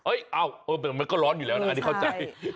เอามันก็ร้อนอยู่แล้วนะอันนี้เข้าใจ